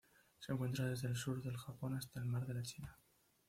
Se encuentra desde el sur del Japón hasta el Mar de la China.